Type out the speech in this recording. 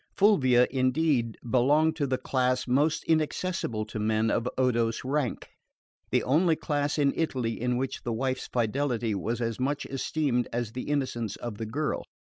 Fulvia, indeed, belonged to the class most inaccessible to men of Odo's rank: the only class in Italy in which the wife's fidelity was as much esteemed as the innocence of the girl.